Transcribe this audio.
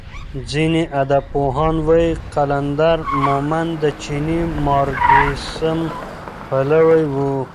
ځینې ادبپوهان وايي قلندر مومند د چیني مارکسیزم پلوی و.